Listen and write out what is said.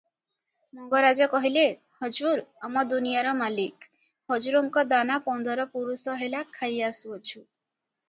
ମଙ୍ଗରାଜ କହିଲେ, "ହଜୁର ଆମ ଦୁନିଆର ମାଲିକ, ହଜୁରଙ୍କ ଦାନା ପନ୍ଦର ପୁରୁଷ ହେଲା ଖାଇ ଆସୁଅଛୁ ।